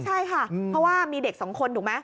ใช่ค่ะเพราะว่ามีเด็กสองคนถูกไหม